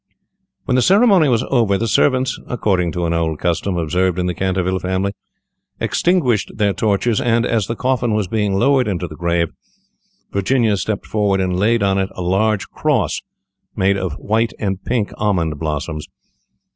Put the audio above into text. When the ceremony was over, the servants, according to an old custom observed in the Canterville family, extinguished their torches, and, as the coffin was being lowered into the grave, Virginia stepped forward, and laid on it a large cross made of white and pink almond blossoms.